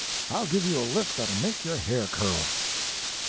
I'll give you a lift that'll make your hair curl!"